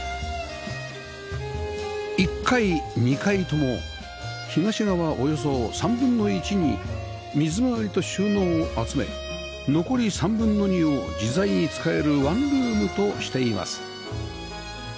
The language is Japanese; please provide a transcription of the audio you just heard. １階２階とも東側およそ３分の１に水回りと収納を集め残り３分の２を自在に使えるワンルームとしています